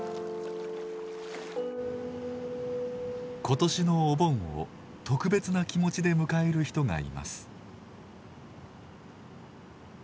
今年のお盆を特別な気持ちで迎える人がいます。